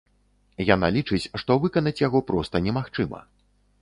Яна лічыць, што выканаць яго проста немагчыма.